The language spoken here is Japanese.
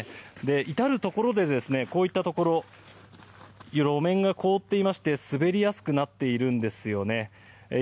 至るところで路面が凍っていまして滑りやすくなっているんです。